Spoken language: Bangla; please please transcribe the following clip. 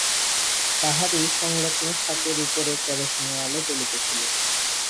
তাহারই সংলগ্ন থাকের উপরে কেরোসিনের আলো জ্বলিতেছিল।